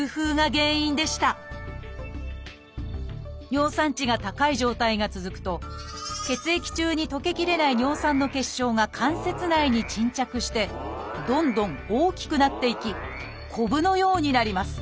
尿酸値が高い状態が続くと血液中に溶けきれない尿酸の結晶が関節内に沈着してどんどん大きくなっていきこぶのようになります。